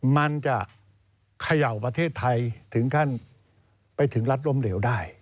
มันจะเขย่าประเทศไทยถึงขั้นไปถึงรัฐล้มเหลวได้